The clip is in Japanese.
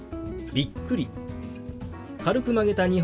「びっくり」。